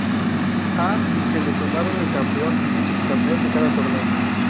A y se le sumaron el campeón y subcampeón de cada torneo.